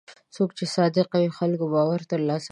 څوک چې صادق وي، د خلکو باور ترلاسه کوي.